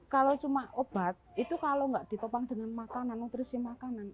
kalau cuma obat itu kalau nggak ditopang dengan makanan nutrisi makanan